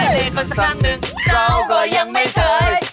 แต่แค่สักครั้งค่อนข้างเรายังไม่เคย